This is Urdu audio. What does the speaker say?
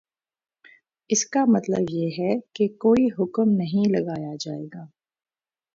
اس کا مطلب یہ ہے کہ کوئی حکم نہیں لگایا جائے گا